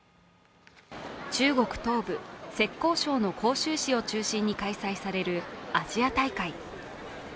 中国東部・浙江省の杭州市を中心に開催されるアジア大会。